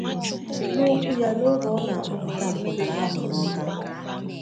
N'okwu ya oge ọ na-akpọpụta mpụtara ahụ n'Awka